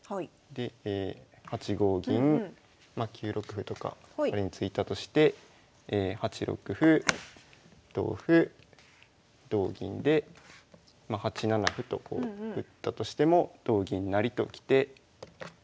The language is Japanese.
で８五銀ま９六歩とか仮に突いたとして８六歩同歩同銀でまあ８七歩とこう打ったとしても同銀成ときて。